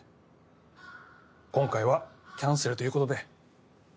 今回はキャンセルという事で。